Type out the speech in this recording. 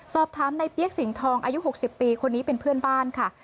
สอบถามในเปี๊ยกสิงทองอายุ๖๐ปีคนนี้เป็นเพื่อนบ้านค่ะ